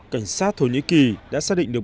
cảnh sát thổ nhĩ kỳ đã xác định được